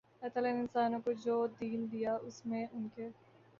اللہ تعالی نے انسانوں کو جو دین دیا اس میں ان کے